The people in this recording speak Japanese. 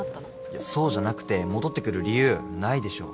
いやそうじゃなくて戻ってくる理由ないでしょ。